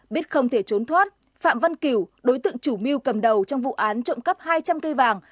biết không thể trốn thoát phạm văn kiểu đối tượng chủ mưu cầm đầu trong vụ án trộm cắp hai trăm linh cây vàng